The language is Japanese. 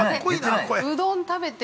◆うどん食べて。